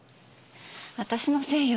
私のせいよ。